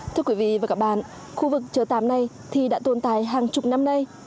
thưa quý vị và các bạn khu vực chợ tạm này thì đã tồn tại hàng chục năm nay